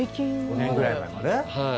５年ぐらい前まで。